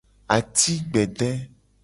Ati gbede.